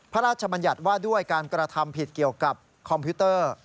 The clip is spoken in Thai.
บรรยัติว่าด้วยการกระทำผิดเกี่ยวกับคอมพิวเตอร์